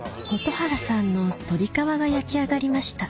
蛍原さんの鶏皮が焼き上がりました